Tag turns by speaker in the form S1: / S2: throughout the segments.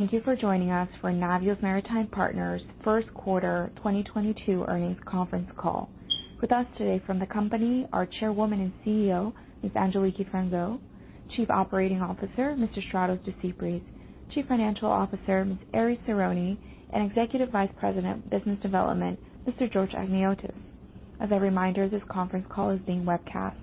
S1: Thank you for joining us for Navios Maritime Partners first quarter 2022 earnings conference call. With us today from the company, our Chairwoman and CEO, Ms. Angeliki Frangou, Chief Operating Officer, Mr. Stratos Desypris, Chief Financial Officer, Ms. Erifili Tsironi, and Executive Vice President of Business Development, Mr. George Achniotis. As a reminder, this conference call is being webcast.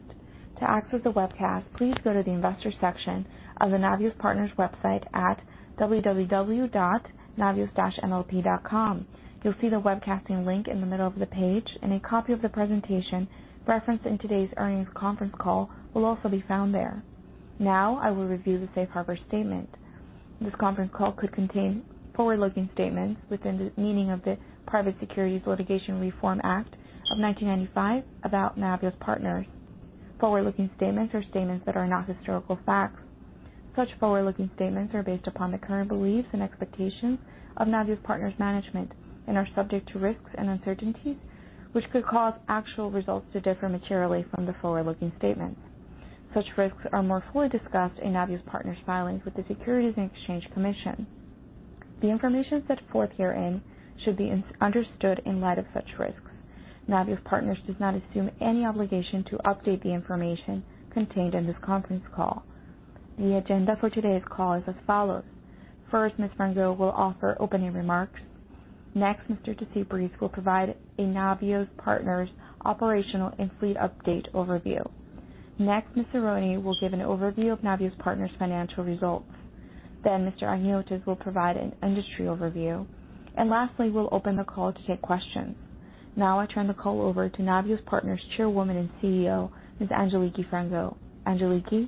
S1: To access the webcast, please go to the investor section of the Navios Partners website at www.navios-mlp.com. You'll see the webcasting link in the middle of the page, and a copy of the presentation referenced in today's earnings conference call will also be found there. Now I will review the safe harbor statement. This conference call could contain forward-looking statements within the meaning of the Private Securities Litigation Reform Act of 1995 about Navios Partners. Forward-looking statements are statements that are not historical facts. Such forward-looking statements are based upon the current beliefs and expectations of Navios Partners Management and are subject to risks and uncertainties which could cause actual results to differ materially from the forward-looking statements. Such risks are more fully discussed in Navios Partners filings with the Securities and Exchange Commission. The information set forth herein should be understood in light of such risks. Navios Partners does not assume any obligation to update the information contained in this conference call. The agenda for today's call is as follows. First, Ms. Frangou will offer opening remarks. Next, Mr. Desypris will provide a Navios Partners operational and fleet update overview. Next, Ms. Tsironi will give an overview of Navios Partners financial results. Then Mr. Achniotis will provide an industry overview. And lastly, we'll open the call to take questions. Now I turn the call over to Navios Partners Chairwoman and CEO, Ms. Angeliki Frangou Angeliki.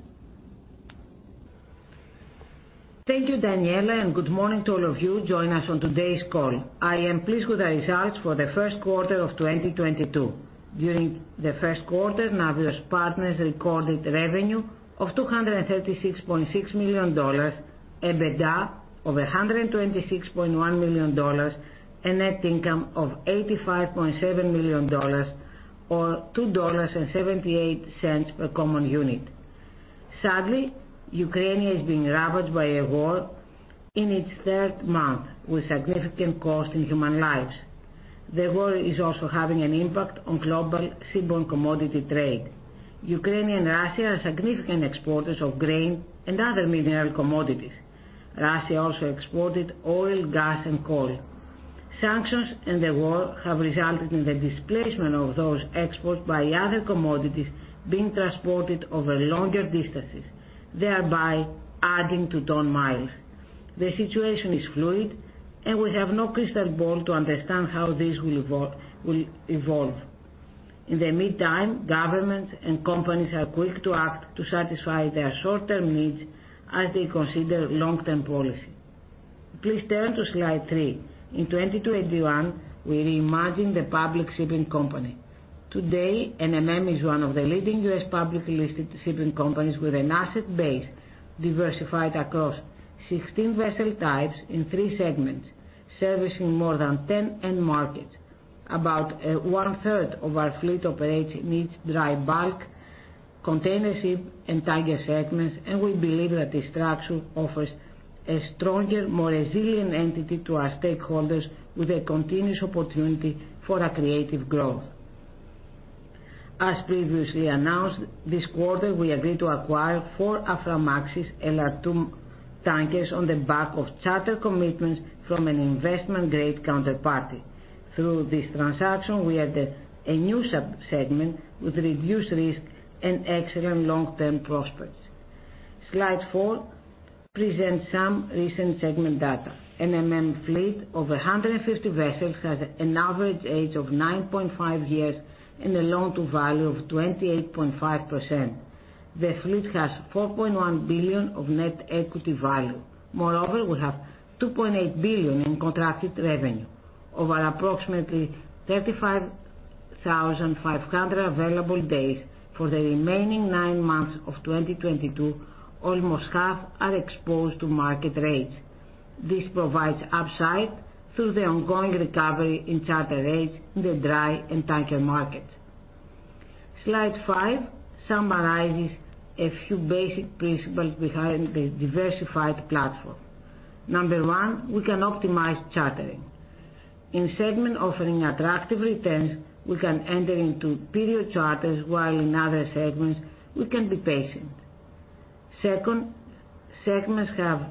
S2: Thank you, Daniella, and good morning to all of you joining us on today's call. I am pleased with the results for the first quarter of 2022. During the first quarter, Navios Partners recorded revenue of $236.6 million, EBITDA of $126.1 million, and net income of $85.7 million or $2.78 per common unit. Sadly, Ukraine is being ravaged by a war in its third month with significant cost in human lives. The war is also having an impact on global seaborne commodity trade. Ukraine and Russia are significant exporters of grain and other mineral commodities. Russia also exported oil, gas and coal. Sanctions in the war have resulted in the displacement of those exports by other commodities being transported over longer distances, thereby adding to ton-miles. The situation is fluid, and we have no crystal ball to understand how this will evolve. In the meantime, governments and companies are quick to act to satisfy their short-term needs as they consider long-term policy. Please turn to slide three. In 2021, we reimagined the public shipping company. Today, NMM is one of the leading US publicly listed shipping companies with an asset base diversified across 16 vessel types in three segments, servicing more than 10 end markets. About one-third of our fleet operates in each dry bulk container ship and tanker segments, and we believe that this structure offers a stronger, more resilient entity to our stakeholders with a continuous opportunity for accretive growth. As previously announced, this quarter we agreed to acquire four Aframax LR2 tankers on the back of charter commitments from an investment-grade counterparty. Through this transaction, we added a new subsegment with reduced risk and excellent long-term prospects. Slide four presents some recent segment data. NMM fleet of 150 vessels has an average age of 9.5 years and a loan to value of 28.5%. The fleet has $4.1 billion of net equity value. Moreover, we have $2.8 billion in contracted revenue over approximately 35,500 available days. For the remaining 9 months of 2022, almost half are exposed to market rates. This provides upside through the ongoing recovery in charter rates in the dry and tanker markets. Slide five summarizes a few basic principles behind the diversified platform. Number one, we can optimize chartering. In segment offering attractive returns, we can enter into period charters, while in other segments we can be patient. Second, segments have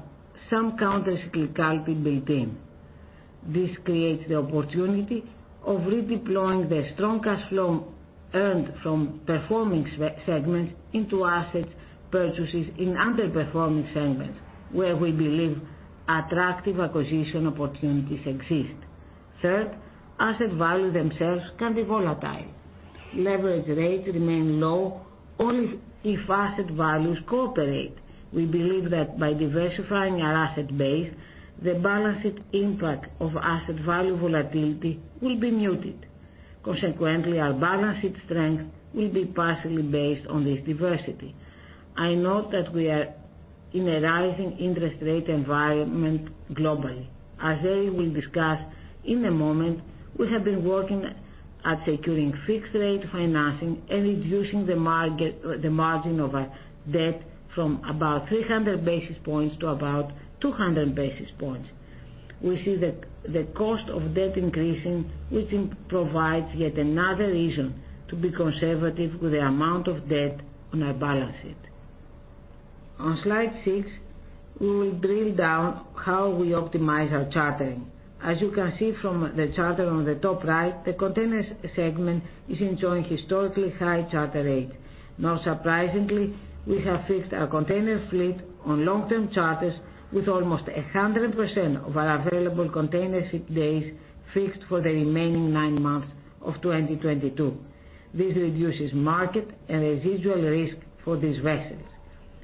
S2: some counter-cyclicality built in. This creates the opportunity of redeploying the strong cash flow earned from performing segments into asset purchases in underperforming segments where we believe attractive acquisition opportunities exist. Third, asset values themselves can be volatile. Leverage rates remain low only if asset values cooperate. We believe that by diversifying our asset base, the balance sheet impact of asset value volatility will be muted. Consequently, our balance sheet strength will be partially based on this diversity. I note that we are in a rising interest rate environment globally. As I will discuss in a moment, we have been working at securing fixed-rate financing and reducing the margin of our debt from about 300 basis points to about 200 basis points. We see the cost of debt increasing, which provides yet another reason to be conservative with the amount of debt on our balance sheet. On slide six, we will drill down how we optimize our chartering. As you can see from the chart on the top right, the containers segment is enjoying historically high charter rate. Not surprisingly, we have fixed our container fleet on long-term charters with almost 100% of our available container ship days fixed for the remaining nine months of 2022. This reduces market and residual risk for these vessels.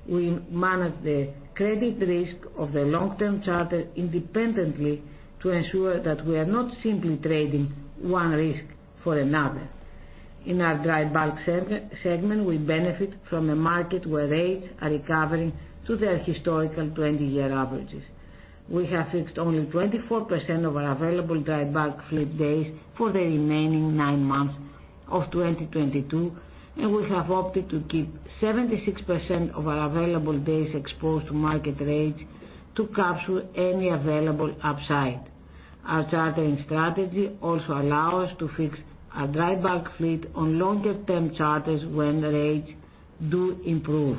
S2: We manage the credit risk of the long-term charter independently to ensure that we are not simply trading one risk for another. In our dry bulk segment, we benefit from a market where rates are recovering to their historical 20-year averages. We have fixed only 24% of our available dry bulk fleet days for the remaining nine months of 2022, and we have opted to keep 76% of our available days exposed to market rates to capture any available upside. Our chartering strategy also allow us to fix our dry bulk fleet on longer term charters when rates do improve.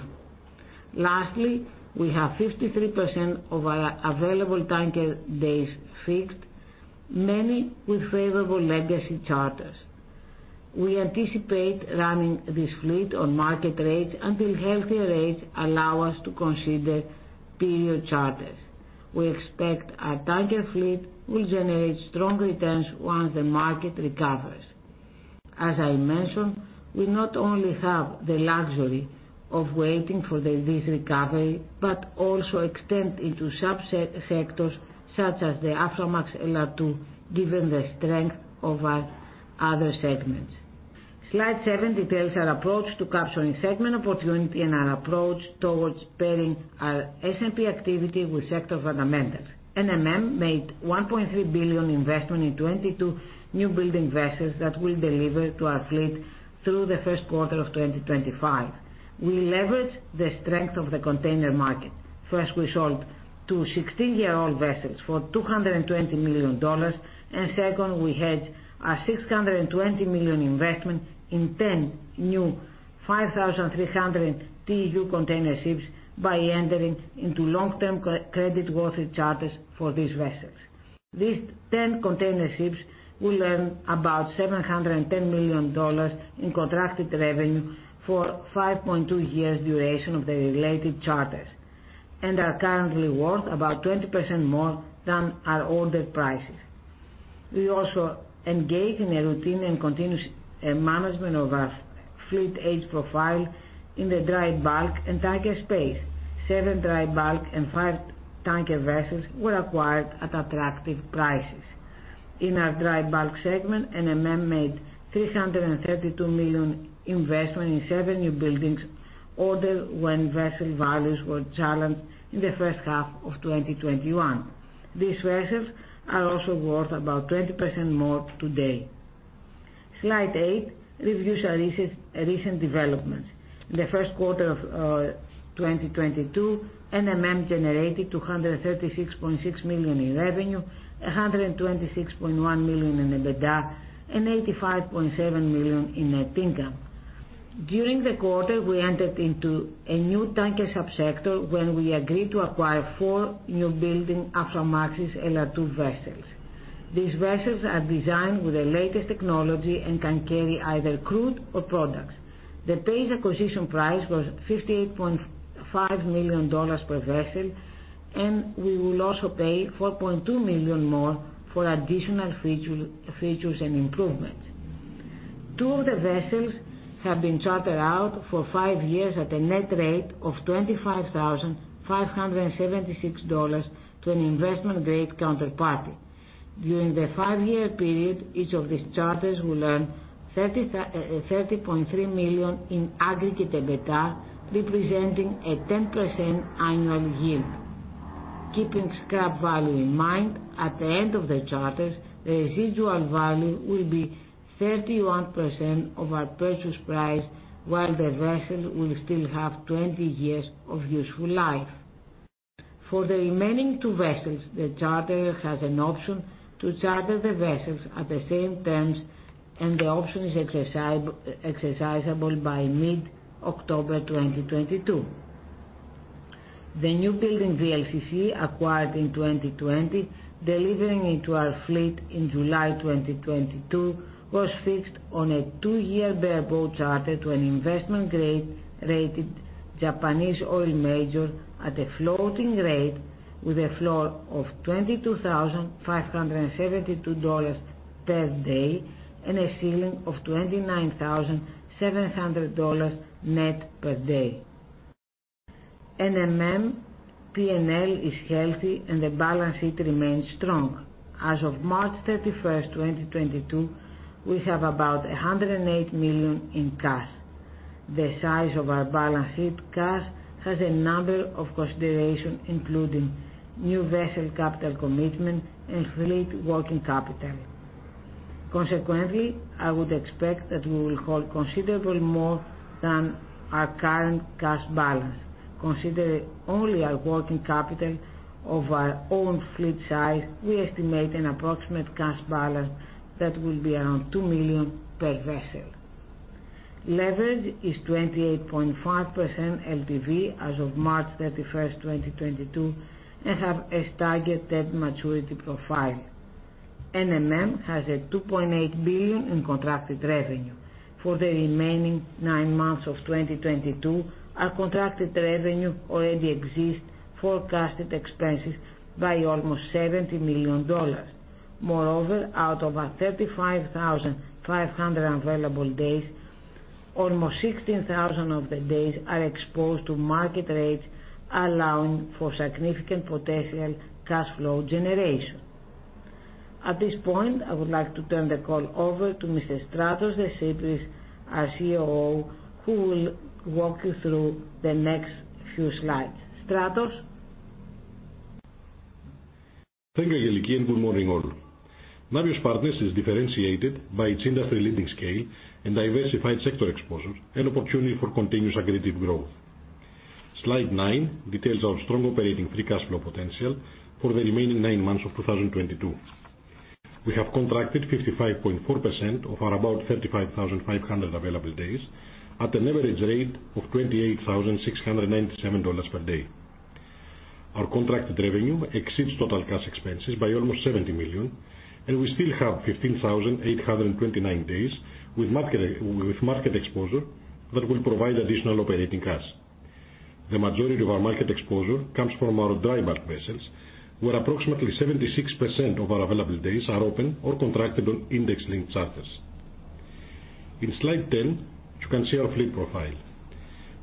S2: Lastly, we have 53% of our available tanker days fixed, many with favorable legacy charters. We anticipate running this fleet on market rates until healthier rates allow us to consider period charters. We expect our tanker fleet will generate strong returns once the market recovers. As I mentioned, we not only have the luxury of waiting for this recovery, but also extend into subsectors such as the Aframax LR2, given the strength of our other segments. Slide seven details our approach to capturing segment opportunity and our approach towards pairing our S&P activity with sector fundamentals. NMM made $1.3 billion investment in 22 new building vessels that will deliver to our fleet through the first quarter of 2025. We leverage the strength of the container market. First, we sold two 16-year-old vessels for $220 million. Second, we had our $620 million investment in ten new 5,300 TEU container ships by entering into long-term creditworthy charters for these vessels. These ten container ships will earn about $710 million in contracted revenue for 5.2 years duration of the related charters and are currently worth about 20% more than our order prices. We also engage in a routine and continuous management of our fleet age profile in the dry bulk and tanker space. 7 dry bulk and 5 tanker vessels were acquired at attractive prices. In our dry bulk segment, NMM made $332 million investment in 7 new buildings ordered when vessel values were challenged in the first half of 2021. These vessels are also worth about 20% more today. Slide 8 reviews our recent developments. In the first quarter of 2022, NMM generated $236.6 million in revenue, $126.1 million in EBITDA, and $85.7 million in net income. During the quarter, we entered into a new tanker subsector when we agreed to acquire 4 new building Aframax LR2 vessels. These vessels are designed with the latest technology and can carry either crude or products. The paid acquisition price was $58.5 million per vessel, and we will also pay $4.2 million more for additional features and improvements. Two of the vessels have been chartered out for 5 years at a net rate of $25,576 to an investment grade counterparty. During the five-year period, each of these charters will earn $30.3 million in aggregate EBITDA, representing a 10% annual yield. Keeping scrap value in mind, at the end of the charters, the residual value will be 31% of our purchase price, while the vessel will still have 20 years of useful life. For the remaining two vessels, the charter has an option to charter the vessels at the same terms, and the option is exercisable by mid-October 2022. The new building VLCC acquired in 2020, delivering into our fleet in July 2022, was fixed on a two-year bareboat charter to an investment grade-rated Japanese oil major at a floating rate with a floor of $22,572 per day and a ceiling of $29,700 net per day. NMM P&L is healthy, and the balance sheet remains strong. As of March 31, 2022, we have about $108 million in cash. The size of our balance sheet cash has a number of considerations, including new vessel capital commitment and fleet working capital. Consequently, I would expect that we will hold considerably more than our current cash balance. Considering only our working capital of our own fleet size, we estimate an approximate cash balance that will be around $2 million per vessel. Leverage is 28.5% LTV as of March 31, 2022, and have a targeted maturity profile. NMM has $2.8 billion in contracted revenue. For the remaining nine months of 2022, our contracted revenue already exceeds forecasted expenses by almost $70 million. Moreover, out of our 35,500 available days, almost 16,000 of the days are exposed to market rates, allowing for significant potential cash flow generation. At this point, I would like to turn the call over to Mr. Stratos Desypris, our COO, who will walk you through the next few slides. Stratos?
S3: Thank you, Angeliki, and good morning all. Navios Partners is differentiated by its industry-leading scale and diversified sector exposures and opportunity for continuous accretive growth. Slide 9 details our strong operating free cash flow potential for the remaining 9 months of 2022. We have contracted 55.4% of our about 35,500 available days at an average rate of $28,697 per day. Our contracted revenue exceeds total cash expenses by almost $70 million, and we still have 15,829 days with market exposure that will provide additional operating cash. The majority of our market exposure comes from our dry bulk vessels, where approximately 76% of our available days are open or contractable index-linked charters. In Slide 10, you can see our fleet profile.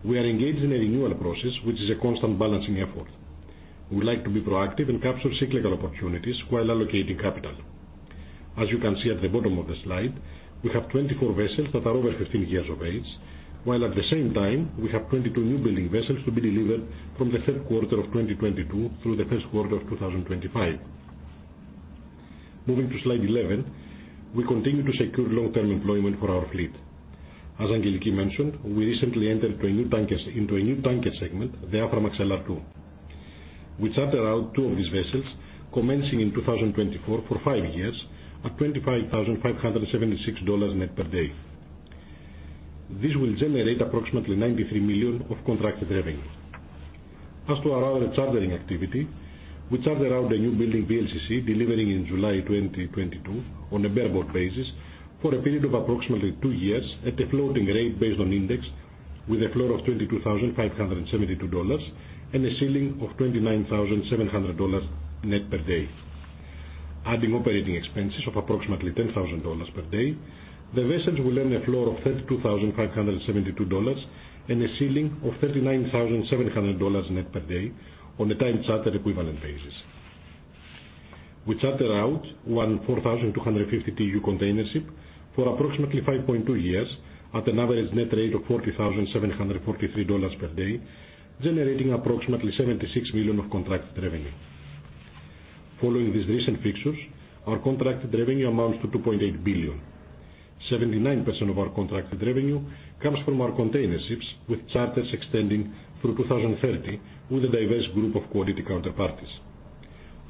S3: We are engaged in a renewal process which is a constant balancing effort. We would like to be proactive and capture cyclical opportunities while allocating capital. As you can see at the bottom of the slide, we have 24 vessels that are over 15 years of age, while at the same time we have 22 new building vessels to be delivered from the third quarter of 2022 through the first quarter of 2025. Moving to slide 11. We continue to secure long-term employment for our fleet. As Angeliki mentioned, we recently entered into a new tanker segment, the Aframax LR2. We chartered out two of these vessels commencing in 2024 for 5 years at $25,576 net per day. This will generate approximately $93 million of contracted revenue. As to our other chartering activity, we chartered out a newbuild VLCC delivering in July 2022 on a bareboat basis for a period of approximately 2 years at a floating rate based on index with a floor of $22,572 and a ceiling of $29,700 net per day. Adding operating expenses of approximately $10,000 per day, the vessels will earn a floor of $32,572 and a ceiling of $39,700 net per day on a time charter equivalent basis. We chartered out one 4,250 TEU container ship for approximately 5.2 years at an average net rate of $40,743 per day, generating approximately $76 million of contracted revenue. Following these recent fixtures, our contracted revenue amounts to $2.8 billion. 79% of our contracted revenue comes from our container ships, with charters extending through 2030, with a diverse group of quality counterparties.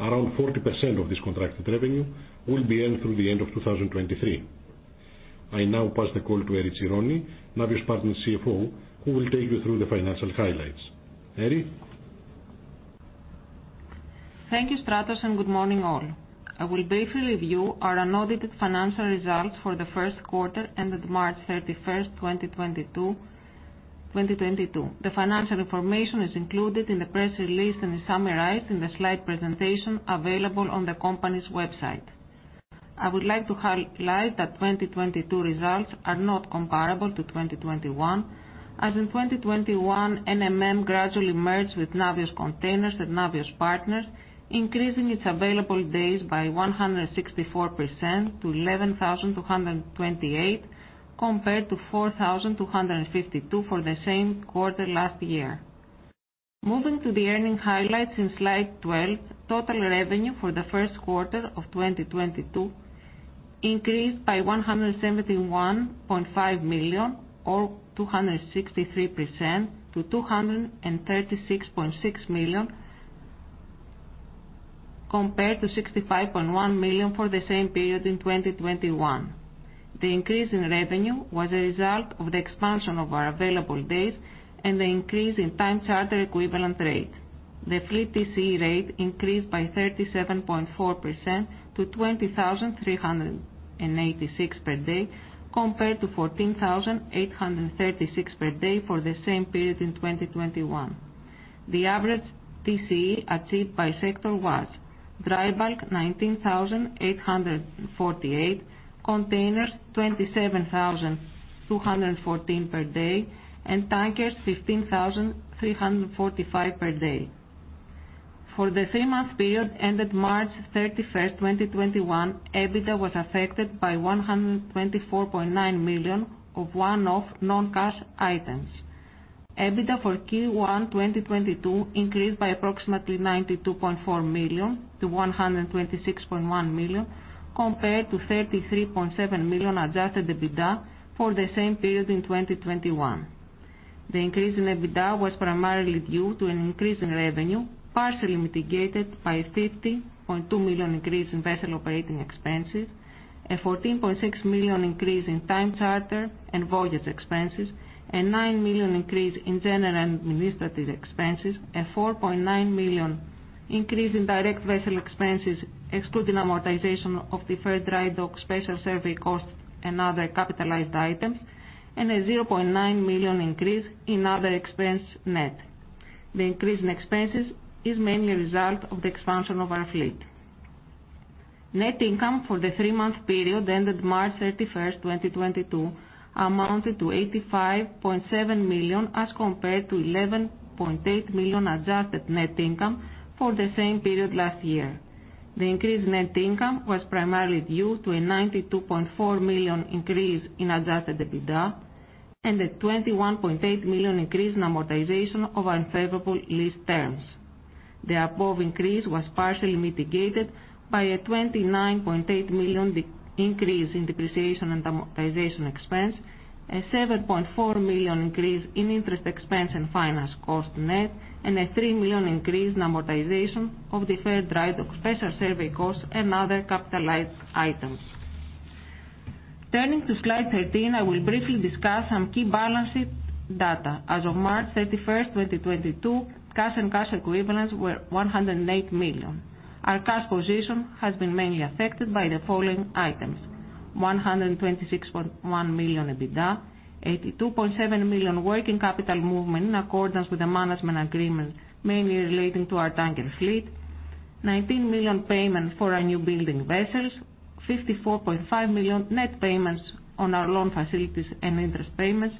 S3: Around 40% of this contracted revenue will be earned through the end of 2023. I now pass the call to Erifili Tsironi, Navios Partners CFO, who will take you through the financial highlights. Erifili?
S4: Thank you Stratos, and good morning all. I will briefly review our unaudited financial results for the first quarter ended March 31, 2022. The financial information is included in the press release and is summarized in the slide presentation available on the company's website. I would like to highlight that 2022 results are not comparable to 2021, as in 2021 NMM gradually merged with Navios Containers and Navios Partners, increasing its available days by 164% to 11,228, compared to 4,252 for the same quarter last year. Moving to the earnings highlights in slide 12, total revenue for the first quarter of 2022 increased by $171.5 million or 263% to $236.6 million, compared to $65.1 million for the same period in 2021. The increase in revenue was a result of the expansion of our available days and the increase in time charter equivalent rate. The fleet TCE rate increased by 37.4% to 20,386 per day, compared to 14,836 per day for the same period in 2021. The average TCE achieved by sector was dry bulk $19,848, containers $27,214 per day, and tankers $15,345 per day. For the three-month period ended March 31, 2021, EBITDA was affected by $124.9 million of one-off non-cash items. EBITDA for Q1 2022 increased by approximately $92.4 million to $126.1 million compared to $33.7 million adjusted EBITDA for the same period in 2021. The increase in EBITDA was primarily due to an increase in revenue, partially mitigated by a $50.2 million increase in vessel operating expenses, a $14.6 million increase in time charter and voyage expenses, a $9 million increase in general and administrative expenses, a $4.9 million increase in direct vessel expenses, excluding amortization of deferred drydock special survey costs and other capitalized items, and a $0.9 million increase in other expense net. The increase in expenses is mainly a result of the expansion of our fleet. Net income for the three-month period ended March 31, 2022 amounted to $85.7 million, as compared to $11.8 million adjusted net income for the same period last year. The increased net income was primarily due to a $92.4 million increase in adjusted EBITDA and a $21.8 million increase in amortization of unfavorable lease terms. The above increase was partially mitigated by a $29.8 million increase in depreciation and amortization expense, a $7.4 million increase in interest expense and finance cost net, and a $3 million increase in amortization of deferred drydock special survey costs and other capitalized items. Turning to slide 13, I will briefly discuss some key balance sheet data. As of March 31, 2022, cash and cash equivalents were $108 million. Our cash position has been mainly affected by the following items. $126.1 million EBITDA, $82.7 million working capital movement in accordance with the management agreement mainly relating to our tanker fleet, $19 million payments for our new building vessels, $54.5 million net payments on our loan facilities and interest payments,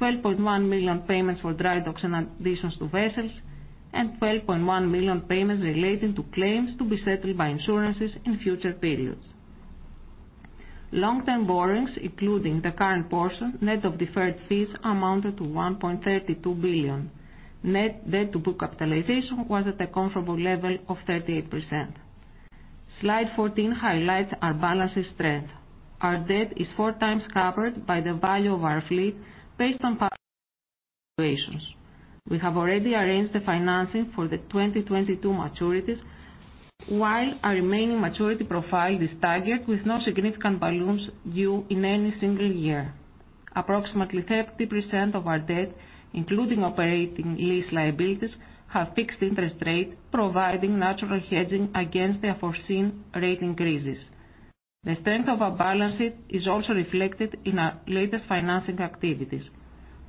S4: $12.1 million payments for dry docks and additions to vessels, and $12.1 million payments relating to claims to be settled by insurances in future periods. Long-term borrowings, including the current portion, net of deferred fees, amounted to $1.32 billion. Net debt to book capitalization was at a comfortable level of 38%. Slide 14 highlights our balance sheet strength. Our debt is four times covered by the value of our fleet based on valuations. We have already arranged the financing for the 2022 maturities, while our remaining maturity profile is staggered with no significant balloons due in any single year. Approximately 30% of our debt, including operating lease liabilities, have fixed interest rate, providing natural hedging against the foreseen rate increases. The strength of our balance sheet is also reflected in our latest financing activities.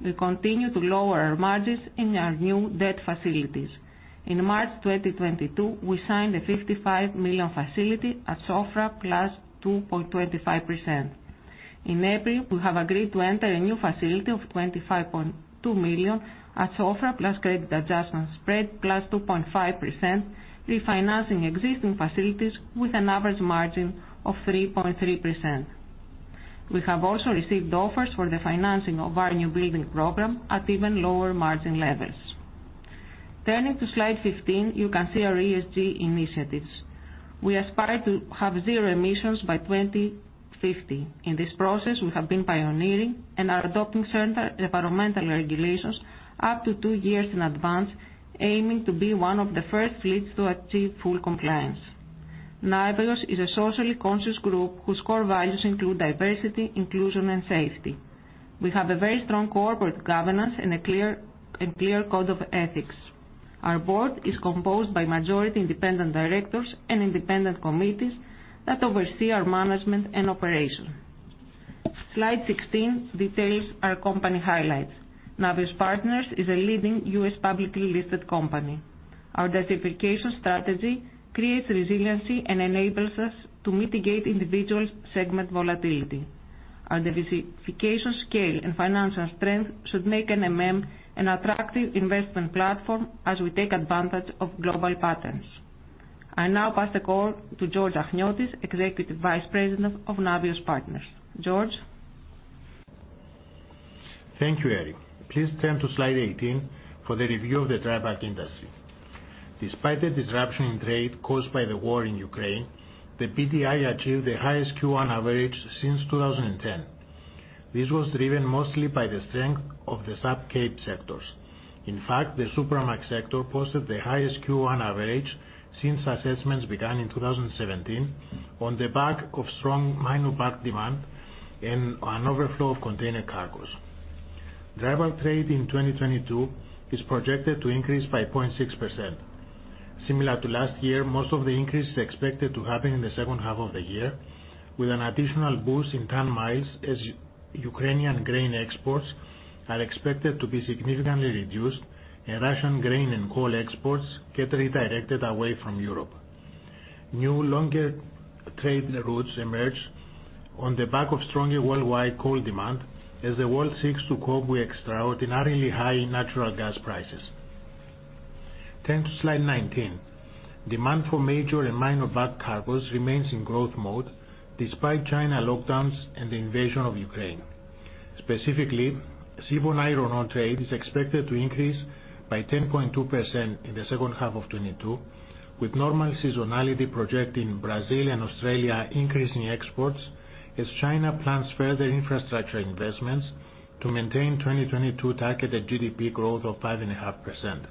S4: We continue to lower our margins in our new debt facilities. In March 2022, we signed a $55 million facility at SOFR plus 2.25%. In April, we have agreed to enter a new facility of $25.2 million at SOFR plus credit adjustment spread plus 2.5%, refinancing existing facilities with an average margin of 3.3%. We have also received offers for the financing of our new building program at even lower margin levels. Turning to slide 15, you can see our ESG initiatives. We aspire to have 0 emissions by 2050. In this process, we have been pioneering and are adopting certain environmental regulations up to 2 years in advance, aiming to be one of the first fleets to achieve full compliance. Navios is a socially conscious group whose core values include diversity, inclusion, and safety. We have a very strong corporate governance and a clear code of ethics. Our board is composed by majority independent directors and independent committees that oversee our management and operation. Slide 16 details our company highlights. Navios Partners is a leading U.S. publicly listed company. Our diversification strategy creates resiliency and enables us to mitigate individual segment volatility. Our diversification scale and financial strength should make NMM an attractive investment platform as we take advantage of global patterns. I now pass the call to George Achniotis, Executive Vice President of Navios Partners. George?
S5: Thank you, Erifili Tsironi. Please turn to slide 18 for the review of the dry bulk industry. Despite the disruption in trade caused by the war in Ukraine, the BDI achieved the highest Q1 average since 2010. This was driven mostly by the strength of the sub-Capesize sectors. In fact, the Supramax sector posted the highest Q1 average since assessments began in 2017 on the back of strong minor bulk demand and an overflow of container cargoes. Dry bulk trade in 2022 is projected to increase by 0.6%. Similar to last year, most of the increase is expected to happen in the second half of the year, with an additional boost in ton-miles as Ukrainian grain exports are expected to be significantly reduced and Russian grain and coal exports get redirected away from Europe. New longer trade routes emerged on the back of stronger worldwide coal demand as the world seeks to cope with extraordinarily high natural gas prices. Turn to slide 19. Demand for major and minor bulk cargos remains in growth mode despite China lockdowns and the invasion of Ukraine. Specifically, seaborne iron ore trade is expected to increase by 10.2% in the second half of 2022, with normal seasonality projected in Brazil and Australia increasing exports as China plans further infrastructure investments to maintain 2022 targeted GDP growth of 5.5%.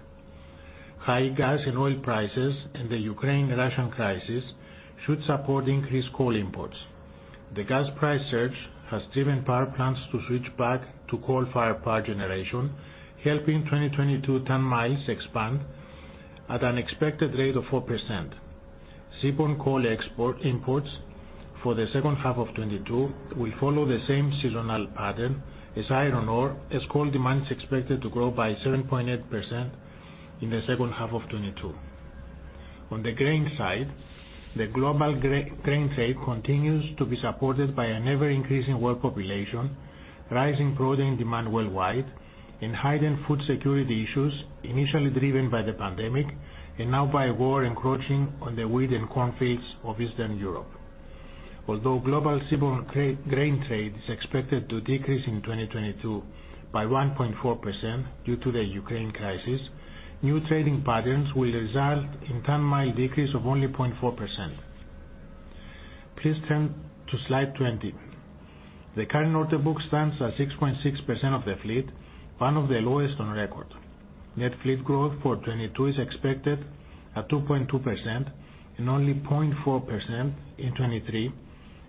S5: High gas and oil prices and the Ukraine-Russia crisis should support increased coal imports. The gas price surge has driven power plants to switch back to coal-fired power generation, helping 2022 ton-miles expand at an expected rate of 4%. Seaborne coal export imports for the second half of 2022 will follow the same seasonal pattern as iron ore as coal demand is expected to grow by 7.8% in the second half of 2022. On the grain side, the global grain trade continues to be supported by an ever-increasing world population, rising protein demand worldwide, and heightened food security issues initially driven by the pandemic and now by war encroaching on the wheat and corn fields of Eastern Europe. Although global seaborne trade, grain trade is expected to decrease in 2022 by 1.4% due to the Ukraine crisis, new trading patterns will result in ton-mile decrease of only 0.4%. Please turn to slide 20. The current order book stands at 6.6% of the fleet, one of the lowest on record. Net fleet growth for 2022 is expected at 2.2% and only 0.4% in 2023,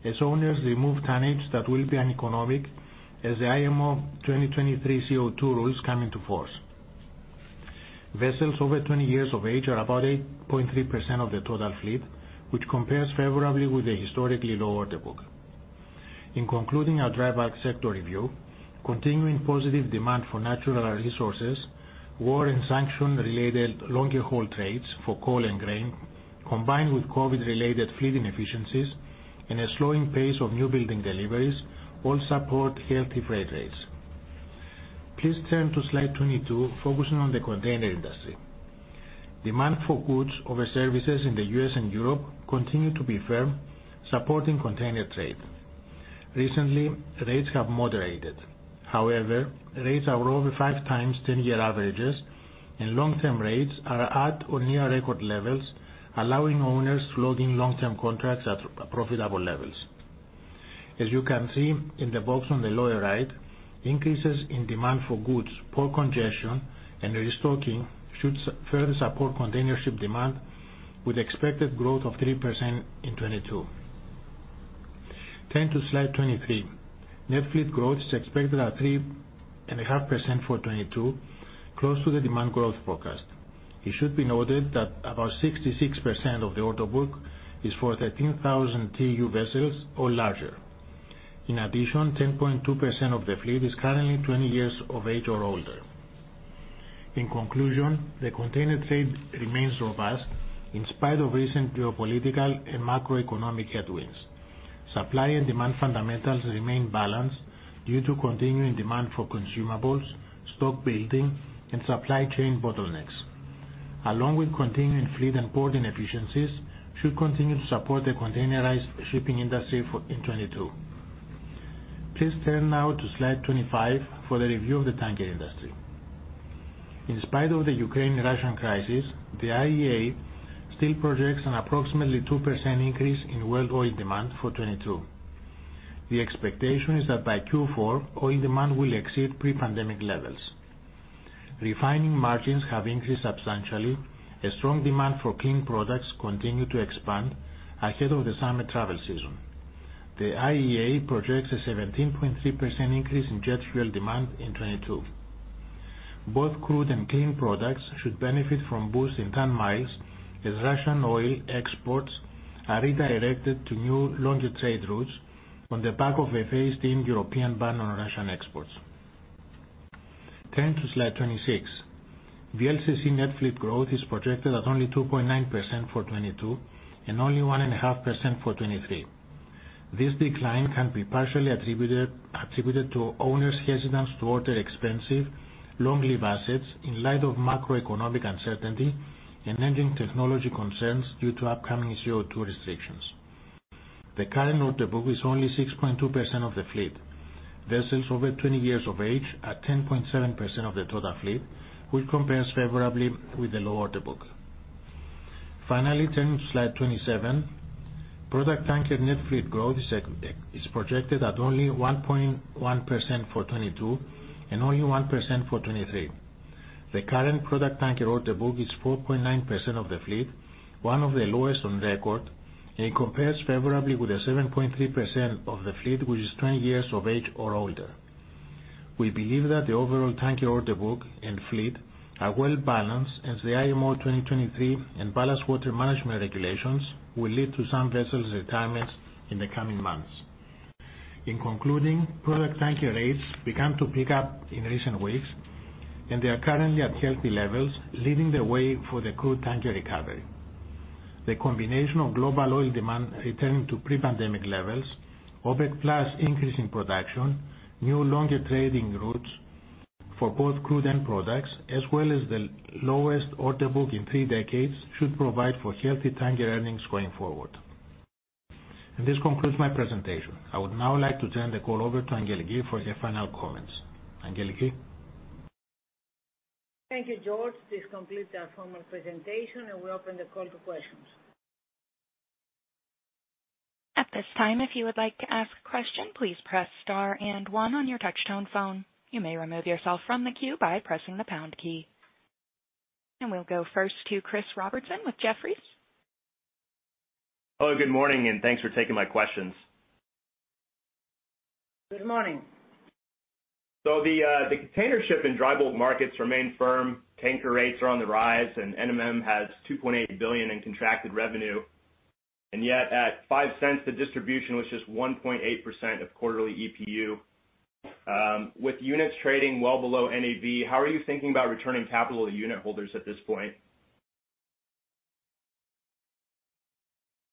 S5: as owners remove tonnage that will be uneconomic as the IMO 2023 CO2 rules come into force. Vessels over 20 years of age are about 8.3% of the total fleet, which compares favorably with the historically low order book. In concluding our dry bulk sector review, continuing positive demand for natural resources, war and sanction-related longer haul trades for coal and grain, combined with COVID-related fleet inefficiencies and a slowing pace of new building deliveries all support healthy freight rates. Please turn to slide 22, focusing on the container industry. Demand for goods over services in the U.S. and Europe continue to be firm, supporting container trade. Recently, rates have moderated. However, rates are over 5 times 10-year averages, and long-term rates are at or near record levels, allowing owners to lock in long-term contracts at profitable levels. As you can see in the box on the lower right, increases in demand for goods, port congestion, and restocking should further support container ship demand with expected growth of 3% in 2022. Turning to slide 23. Net fleet growth is expected at 3.5% for 2022, close to the demand growth forecast. It should be noted that about 66% of the order book is for 13,000 TEU vessels or larger. In addition, 10.2% of the fleet is currently 20 years of age or older. In conclusion, the container trade remains robust in spite of recent geopolitical and macroeconomic headwinds. Supply and demand fundamentals remain balanced due to continuing demand for consumables, stock building, and supply chain bottlenecks. Along with continuing fleet and port inefficiencies should continue to support the containerized shipping industry for, in 2022. Please turn now to slide 25 for the review of the tanker industry. In spite of the Ukraine-Russian crisis, the IEA still projects an approximately 2% increase in world oil demand for 2022. The expectation is that by Q4, oil demand will exceed pre-pandemic levels. Refining margins have increased substantially as strong demand for clean products continue to expand ahead of the summer travel season. The IEA projects a 17.3% increase in jet fuel demand in 2022. Both crude and clean products should benefit from boost in ton-miles as Russian oil exports are redirected to new longer trade routes on the back of a phased-in European ban on Russian exports. Turning to slide 26. VLCC net fleet growth is projected at only 2.9% for 2022 and only 1.5% for 2023. This decline can be partially attributed to owners' hesitance to order expensive long-lived assets in light of macroeconomic uncertainty and engine technology concerns due to upcoming CO2 restrictions. The current order book is only 6.2% of the fleet. Vessels over 20 years of age are 10.7% of the total fleet, which compares favorably with the low order book. Finally, turning to slide 27. Product tanker net fleet growth is projected at only 1.1% for 2022 and only 1% for 2023. The current product tanker order book is 4.9% of the fleet, one of the lowest on record, and it compares favorably with the 7.3% of the fleet, which is 20 years of age or older. We believe that the overall tanker order book and fleet are well-balanced as the IMO 2023 and Ballast Water Management Regulations will lead to some vessels retirements in the coming months. In concluding, product tanker rates began to pick up in recent weeks, and they are currently at healthy levels, leading the way for the crude tanker recovery. The combination of global oil demand returning to pre-pandemic levels, OPEC plus increase in production, new longer trading routes for both crude and products, as well as the lowest order book in three decades should provide for healthy tanker earnings going forward. This concludes my presentation. I would now like to turn the call over to Angeliki for any final comments. Angeliki?
S2: Thank you, George. This completes our formal presentation, and we open the call to questions.
S6: At this time, if you would like to ask a question, please press star and one on your touchtone phone. You may remove yourself from the queue by pressing the pound key. We'll go first to Chris Robertson with Jefferies.
S7: Hello, good morning, and thanks for taking my questions.
S2: Good morning.
S7: The container ship and dry bulk markets remain firm. Tanker rates are on the rise, and NMM has $2.8 billion in contracted revenue, and yet at $0.05, the distribution was just 1.8% of quarterly EPU. With units trading well below NAV, how are you thinking about returning capital to unit holders at this point?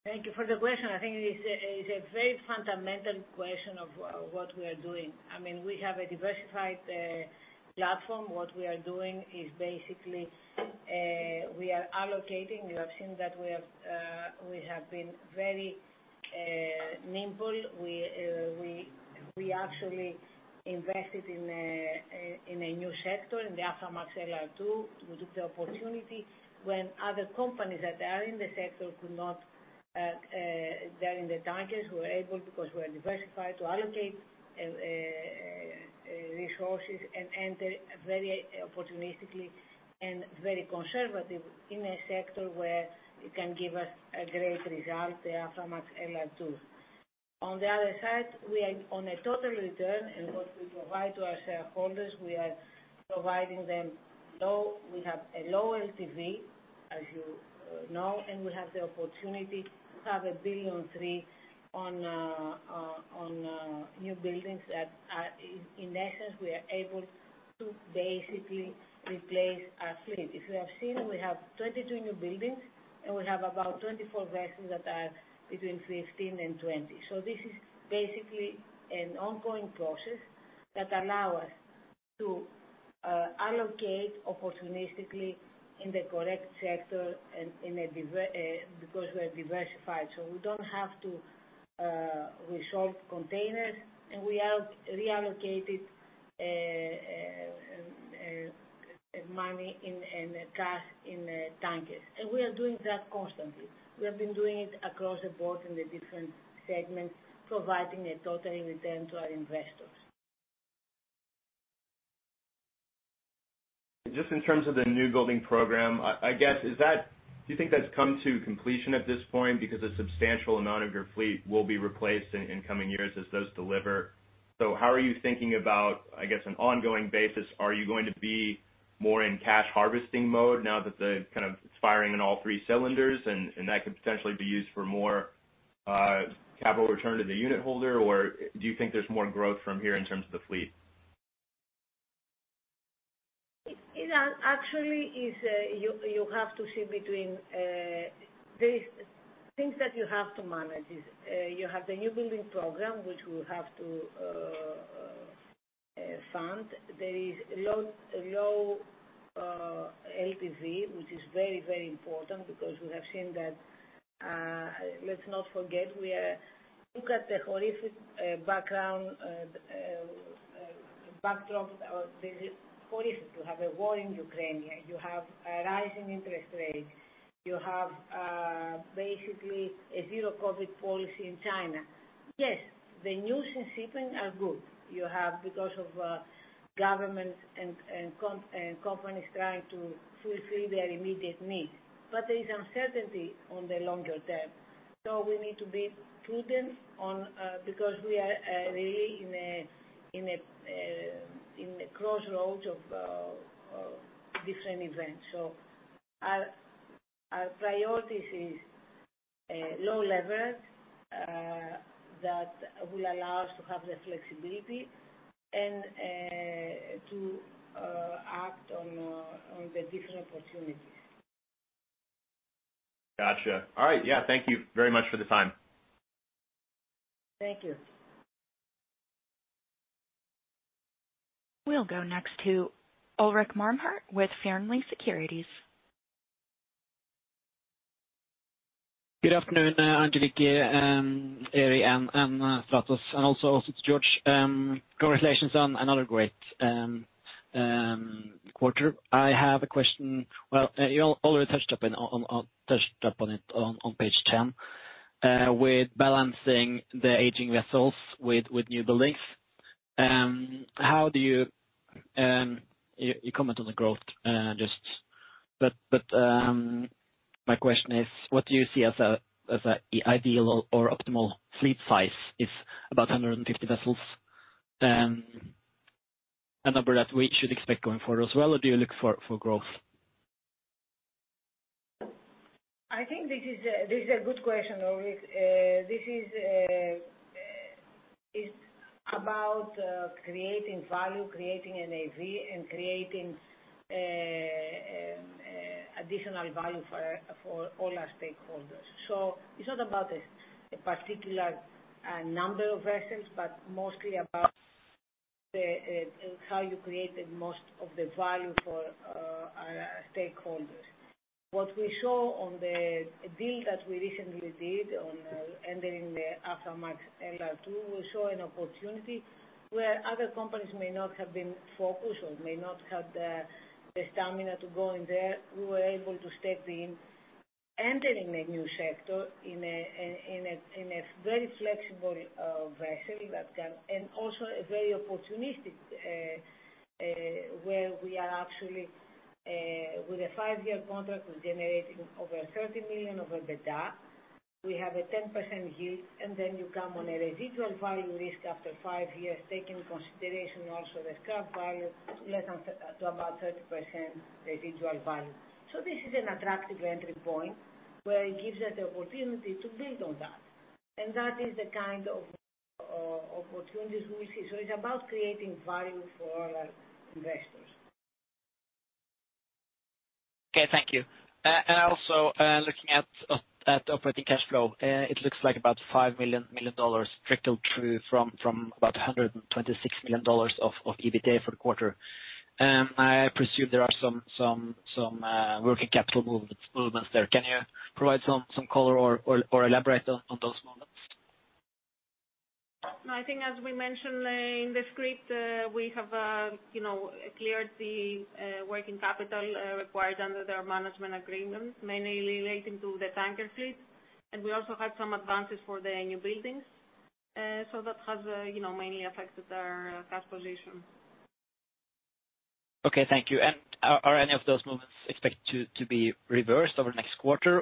S2: Thank you for the question. I think it is a very fundamental question of what we are doing. I mean, we have a diversified platform. What we are doing is basically we are allocating. You have seen that we have been very nimble. We actually invested in a new sector in the Aframax LR2. We took the opportunity when other companies that are in the sector could not, they're in the tankers were not able because we are diversified to allocate resources and enter very opportunistically and very conservative in a sector where it can give us a great result, the Aframax LR2. On the other side, we are on a total return in what we provide to our shareholders. We are providing them low. We have a low LTV, as you know, and we have the opportunity to have $1.3 billion on newbuilds. In essence, we are able to basically replace our fleet. If you have seen, we have 22 newbuilds, and we have about 24 vessels that are between 15 and 20. This is basically an ongoing process that allow us to allocate opportunistically in the correct sector because we are diversified, so we don't have to resolve containers, and we have reallocated money in cash, in tankers. We are doing that constantly. We have been doing it across the board in the different segments, providing a total return to our investors.
S7: Just in terms of the newbuilding program, I guess. Do you think that's come to completion at this point? Because a substantial amount of your fleet will be replaced in coming years as those deliver. How are you thinking about, I guess, an ongoing basis? Are you going to be more in cash harvesting mode now that it's kind of firing on all three cylinders and that could potentially be used for more capital return to the unitholder, or do you think there's more growth from here in terms of the fleet?
S2: It actually is, you have to see between, there is things that you have to manage is, you have the newbuilding program, which we have to fund. There is low LTV, which is very important because we have seen that, let's not forget we are. Look at the horrific background, backdrop of the horrific to have a war in Ukraine. You have a rising interest rate. You have basically a zero COVID policy in China. Yes, the news in shipping are good. You have because of government and companies trying to fulfill their immediate needs. There is uncertainty on the longer term, so we need to be prudent because we are really in a crossroads of different events. Our priorities is low leverage that will allow us to have the flexibility and to act on the different opportunities.
S7: Gotcha. All right. Yeah. Thank you very much for the time.
S2: Thank you.
S6: We'll go next to Ulrik Mannhart with Fearnley Securities.
S8: Good afternoon, Angeliki, Eri and Stratos, and also to George. Congratulations on another great quarter. I have a question. Well, you already touched upon it on page ten with balancing the aging vessels with newbuilds. How do you comment on the growth? My question is what do you see as an ideal or optimal fleet size is about 150 vessels, a number that we should expect going forward as well, or do you look for growth?
S2: I think this is a good question, Ulrik. This is about creating value, creating a NAV and creating additional value for all our stakeholders. It's not about a particular number of vessels, but mostly about how you create the most value for our stakeholders. What we saw on the deal that we recently did on entering the Aframax LR2 will show an opportunity where other companies may not have been focused or may not have the stamina to go in there. We were able to step in entering a new sector in a very flexible vessel that can also be very opportunistic, where we are actually with a 5-year contract, we're generating over $30 million in EBITDA. We have a 10% yield, and then you come on a residual value risk after 5 years, taking into consideration also the scrap value less than 30% to about 30% residual value. This is an attractive entry point where it gives us the opportunity to build on that. That is the kind of opportunities we see. It's about creating value for our investors.
S8: Okay, thank you. Looking at operating cash flow, it looks like about $50 million trickle through from about $126 million of EBITDA for the quarter. I presume there are some working capital movements there. Can you provide some color or elaborate on those movements?
S4: No, I think as we mentioned in the script, we have, you know, cleared the working capital required under their management agreements, mainly relating to the tanker fleet. We also had some advances for the new buildings. That has, you know, mainly affected our cash position.
S8: Okay, thank you. Are any of those movements expected to be reversed over next quarter?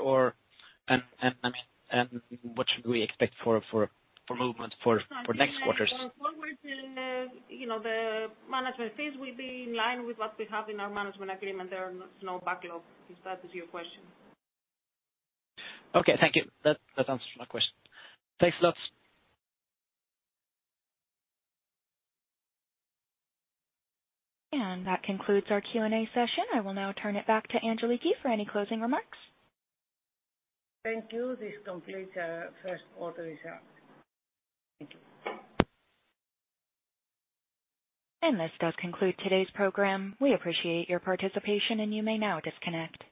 S8: I mean, what should we expect for movement for next quarters?
S4: Going forward, you know, the management fees will be in line with what we have in our management agreement. There are no backlog, if that is your question.
S8: Okay, thank you. That answers my question. Thanks lots.
S6: That concludes our Q&A session. I will now turn it back to Angeliki for any closing remarks.
S2: Thank you. This completes our first quarter results. Thank you.
S6: This does conclude today's program. We appreciate your participation, and you may now disconnect.